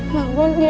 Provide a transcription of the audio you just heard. bangun ya jess